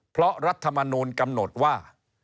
เพราะรัฐมนูลกำหนดว่า